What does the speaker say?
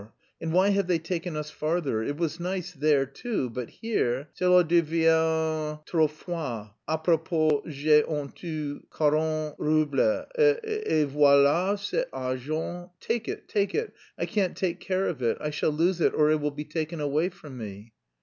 And why have they taken us farther. It was nice there too, but here cela devien trop froid. A propos, j'ai en tout quarante roubles et voilà cet argent, take it, take it, I can't take care of it, I shall lose it or it will be taken away from me....